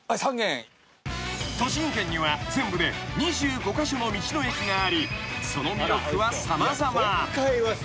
［栃木県には全部で２５カ所の道の駅がありその魅力は様々］